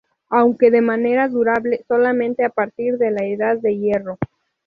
Aunque de manera durable solamente a partir de la edad de hierro.